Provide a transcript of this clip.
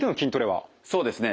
そうですね